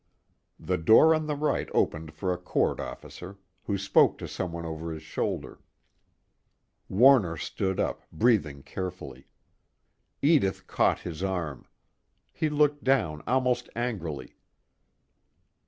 The door on the right opened for a court officer, who spoke to someone over his shoulder. Warner stood up, breathing carefully. Edith caught his arm; he looked down almost angrily.